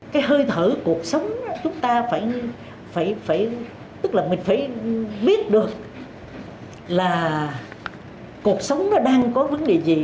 cái hơi thở cuộc sống chúng ta phải tức là mình phải biết được là cuộc sống nó đang có vấn đề gì